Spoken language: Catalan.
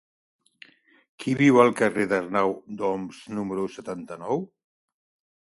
Qui viu al carrer d'Arnau d'Oms número setanta-nou?